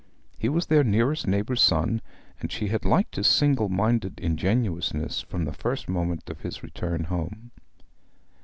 He was their nearest neighbour's son, and she had liked his single minded ingenuousness from the first moment of his return home.